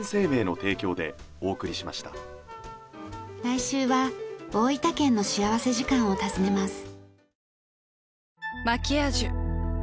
来週は大分県の幸福時間を訪ねます。